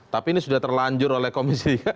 tapi ini sudah terlanjur oleh komisi